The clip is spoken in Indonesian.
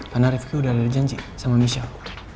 karena rifki udah ada janji sama michelle